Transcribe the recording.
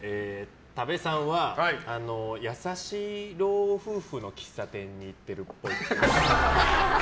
多部さんは優しい老夫婦の喫茶店に行ってるっぽい。